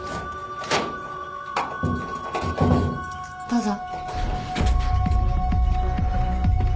どうぞ。